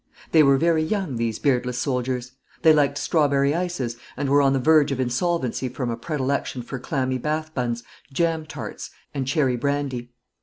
They were very young, these beardless soldiers. They liked strawberry ices, and were on the verge of insolvency from a predilection for clammy bath buns, jam tarts, and cherry brandy.